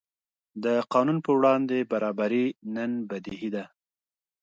د قانون پر وړاندې برابري نن بدیهي ده.